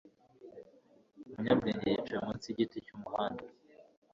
umunyabwenge yicaye munsi yigiti cyumuhanda